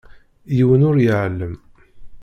Yiwen ur iεellem.